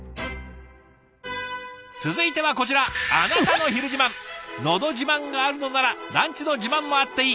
続いてはこちら「のど自慢」があるのならランチの自慢もあっていい。